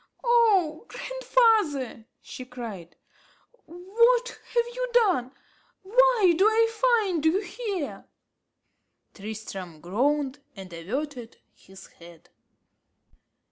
"Oh grandfather!" she cried, "what have you done? why do I find you here?" Tristram groaned, and averted his head.